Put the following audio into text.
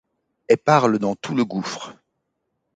Et parle dans tout le gouffre